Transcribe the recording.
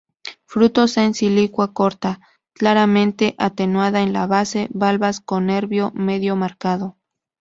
Frutos en silicua corta, claramente atenuada en la base; valvas con nervio medio marcado.